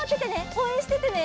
おうえんしててね！